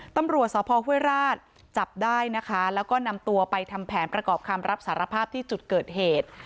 ตำรวจสพห้วยราชจับได้นะคะแล้วก็นำตัวไปทำแผนประกอบคำรับสารภาพที่จุดเกิดเหตุ